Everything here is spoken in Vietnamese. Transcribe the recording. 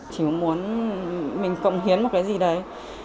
chỉ muốn mình cộng hiến một cái gì đấy